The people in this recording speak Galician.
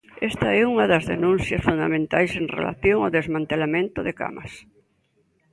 Esta é unha das denuncias fundamentais en relación o desmantelamento de camas.